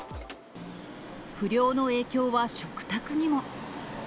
不漁の影響は食卓にも。